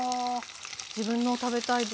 自分の食べたいだけ。